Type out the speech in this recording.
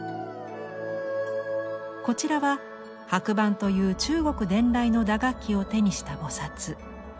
こちらは拍板という中国伝来の打楽器を手にした菩。